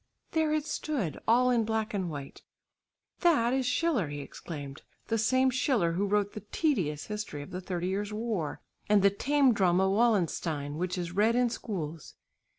There it stood all in black and white. "And that is Schiller!" he exclaimed, "the same Schiller who wrote the tedious history of the Thirty Years' War, and the tame drama "Wallenstein" which is read in schools!"